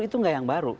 itu gak yang baru